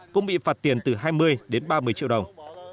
cũng bị phạt tiền từ hai mươi đến ba mươi triệu đồng